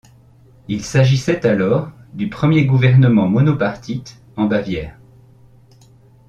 Il s'agissait alors du premier gouvernement monopartite en Bavière.